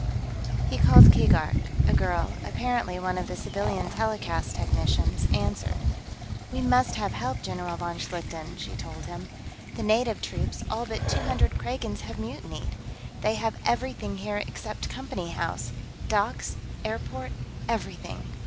He called Keegark; a girl, apparently one of the civilian telecast technicians, answered. "We must have help, General von Schlichten," she told him. "The native troops, all but two hundred Kragans, have mutinied. They have everything here except Company House docks, airport, everything.